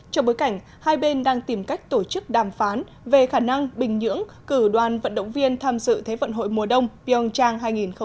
trong bối cảnh hai bên đang tìm cách tổ chức đàm phán về khả năng bình nhưỡng cử đoàn vận động viên tham dự thế vận hội mùa đông pyeongchang hai nghìn một mươi tám